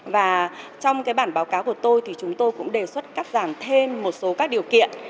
và trong cái bản báo cáo của tôi thì chúng tôi cũng đề xuất cắt giảm thêm một số các điều kiện